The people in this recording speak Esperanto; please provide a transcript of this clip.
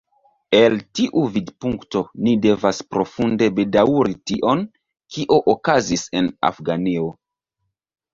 El tiu vidpunkto ni devas profunde bedaŭri tion, kio okazis en Afganio.